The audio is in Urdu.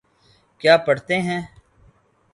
کیا پڑھتے ہیں